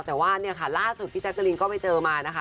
แต่ว่าเนี่ยล่ะสุดพี่แจกตรีนก็ไม่เจอมานะคะ